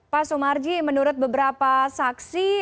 pak sumarji menurut beberapa saksi